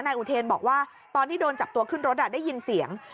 อุเทนบอกว่าตอนที่โดนจับตัวขึ้นรถได้ยินเสียง